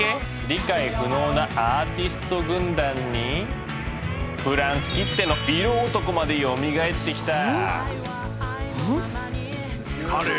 理解不能なアーティスト軍団にフランスきっての色男までよみがえってきた。